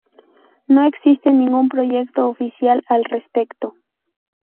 No existe ningún proyecto oficial al respecto.